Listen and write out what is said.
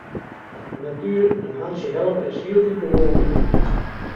De natuer in hantsje helpe is hieltyd gewoaner wurden.